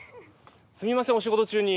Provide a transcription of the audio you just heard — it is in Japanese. すみませんお仕事中に。